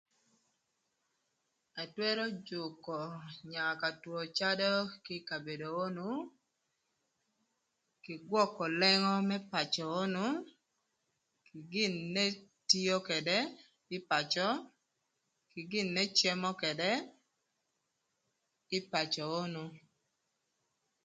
Ëtwërö jükö nya ka two cadö kï ï kabedo onu kï gwökö lengo më pacö onu, kï gin n'etio këdë ï pacö, kï gin n'ecemo ködë ï pacö onu.